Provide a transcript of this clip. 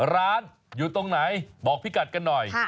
ร้านอยู่ตรงไหนบอกพี่กัดกันหน่อย